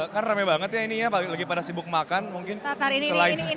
kan rame banget ya ini ya lagi pada sibuk makan mungkin selain